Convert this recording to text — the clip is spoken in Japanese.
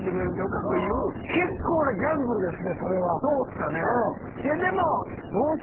そうっすかね。